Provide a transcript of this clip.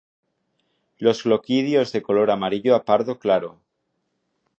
Los gloquidios de color amarillo a pardo claro.